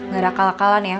gak ada kalak kalan ya